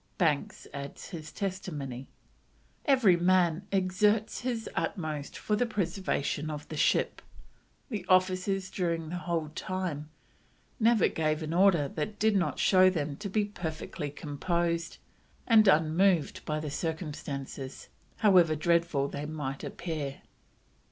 Banks adds his testimony: "Every man exerts his utmost for the preservation of the ship. The officers during the whole time never gave an order that did not show them to be perfectly composed and unmoved by the circumstances, however dreadful they might appear."